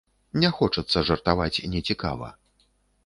Не хочацца жартаваць нецікава.